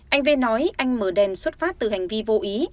anh v nói anh mở đèn xuất phát từ hành vi vô ý